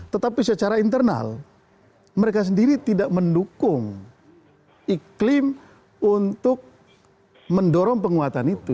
tetapi secara internal mereka sendiri tidak mendukung iklim untuk mendorong penguatan itu